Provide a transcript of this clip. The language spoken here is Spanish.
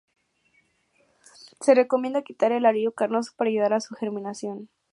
Se recomienda quitar el arilo carnoso para ayudar a su germinación.